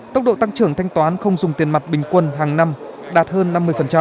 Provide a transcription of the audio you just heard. tốc độ tăng trưởng thanh toán không dùng tiền mặt bình quân hàng năm đạt hơn năm mươi